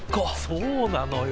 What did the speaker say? そうなのよ。